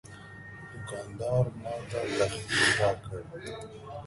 دوکاندار ماته تخفیف راکړ.